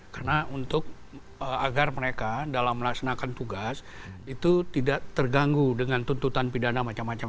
karena untuk agar mereka dalam melaksanakan tugas itu tidak terganggu dengan tuntutan pidana macam macam